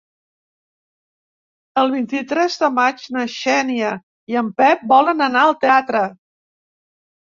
El vint-i-tres de maig na Xènia i en Pep volen anar al teatre.